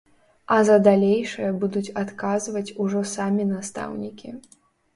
А за далейшае будуць адказваць ужо самі настаўнікі.